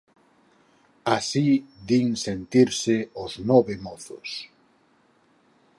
Así din sentirse os nove mozos...